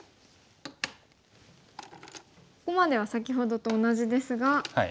ここまでは先ほどと同じですが。